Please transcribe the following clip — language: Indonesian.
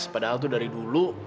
padahal tuh dari dulu